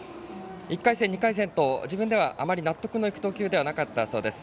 １回戦、２回戦と自分ではあまり納得のいく投球ではなかったそうです。